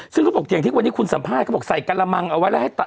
ซึ่งเขาบอกอย่างที่วันนี้คุณสัมภาษณ์เขาบอกใส่กระมังเอาไว้แล้วให้ตัด